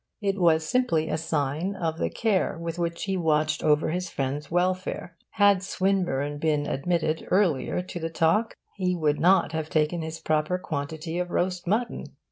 It was simply a sign of the care with which he watched over his friend's welfare. Had Swinburne been admitted earlier to the talk, he would not have taken his proper quantity of roast mutton.